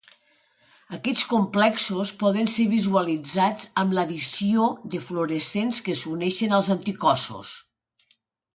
Aquests complexos poden ser visualitzats amb l'addició de fluorescents que s'uneixen als anticossos.